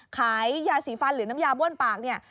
ขายยาสีฟันหรือน้ำยาบ้วนปากเนี่ย